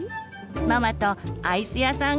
ママとアイス屋さん